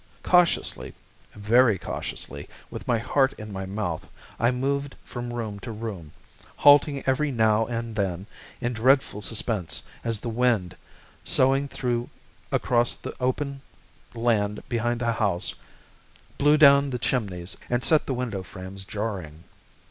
Cautiously, very cautiously, with my heart in my mouth, I moved from room to room, halting every now and then in dreadful suspense as the wind, soughing through across the open land behind the house, blew down the chimneys and set the window frames jarring.